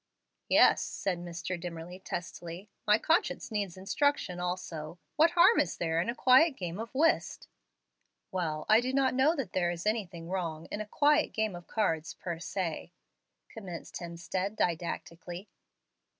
"Yes," said Mr. Dimmerly, testily. "My conscience needs instruction also. What harm is there in a quiet game of whist?" "Well, I do not know that there is anything wrong in a 'quiet game of cards,' per se" commenced Hemstead, didactically.